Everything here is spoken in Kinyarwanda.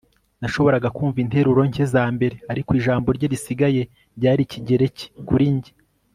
Nashoboraga kumva interuro nke za mbere ariko ijambo rye risigaye ryari ikigereki kuri njye